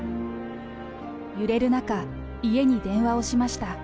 揺れる中、家に電話をしました。